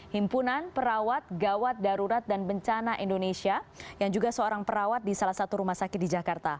himpunan perawat gawat darurat dan bencana indonesia yang juga seorang perawat di salah satu rumah sakit di jakarta